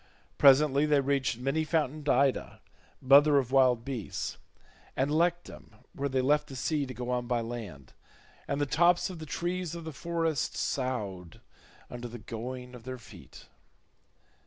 Presently they reached many fountained Ida, mother of wild beasts, and Lectum where they left the sea to go on by land, and the tops of the trees of the forest soughed under the going of their feet.